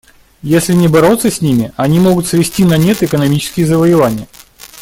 Если не бороться с ними, они могут свести на нет экономические завоевания.